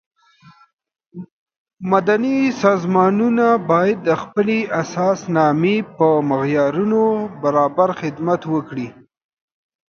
مدني سازمانونه باید د خپلې اساسنامې په معیارونو برابر خدمت وکړي.